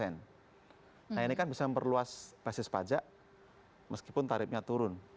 nah ini kan bisa memperluas basis pajak meskipun tarifnya turun